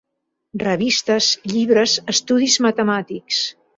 Revistes, llibres, estudis matemàtics.